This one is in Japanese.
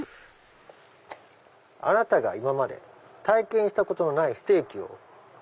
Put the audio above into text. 「貴方が今まで体験したことのないステーキを」。